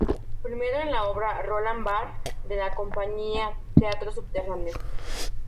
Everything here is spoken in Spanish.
Primero, en la obra "Roland Bar" de la compañía Teatro Subterráneo.